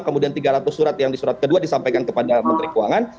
kemudian tiga ratus surat yang di surat kedua disampaikan kepada menteri keuangan